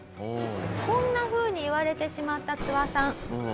こんなふうに言われてしまったツワさん。